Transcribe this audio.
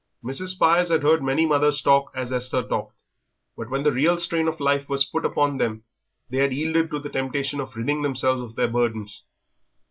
Mrs. Spires had heard many mothers talk as Esther talked, but when the real strain of life was put upon them they had yielded to the temptation of ridding themselves of their burdens.